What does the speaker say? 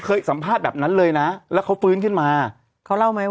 สัมภาษณ์แบบนั้นเลยนะแล้วเขาฟื้นขึ้นมาเขาเล่าไหมว่า